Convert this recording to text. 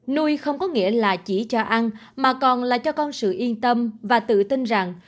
nuôi không có nghĩa là chỉ cho ăn mà còn là cho con sự yên tâm và tự tin rằng